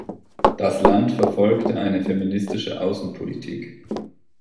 Das Land verfolge eine feministische Außenpolitik.